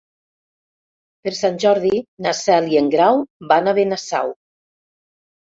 Per Sant Jordi na Cel i en Grau van a Benasau.